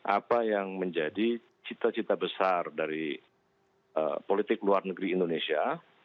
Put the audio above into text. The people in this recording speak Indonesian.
apa yang menjadi cita cita besar dari politik luar negeri indonesia